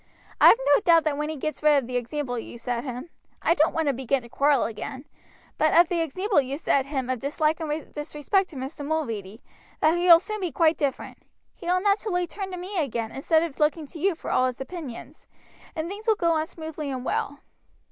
"I have no doubt that when he gets rid of the example you set him I don't want to begin to quarrel again but of the example you set him of dislike and disrespect to Mr. Mulready, that he will soon be quite different. He will naturally turn to me again instead of looking to you for all his opinions, and things will go on smoothly and well."